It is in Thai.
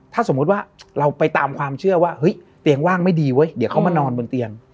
ถ้าสมมุติว่าเราไปตามความเชื่อว่าเฮ้ยเตียงว่างไม่ดีเว้ยเดี๋ยวเขามานอนบนเตียง